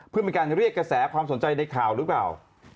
เพื่อเป็นการเรียกกระแสความสนใจในข่าวหรือเปล่า